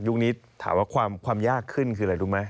นี้ถามว่าความยากขึ้นคืออะไรรู้ไหม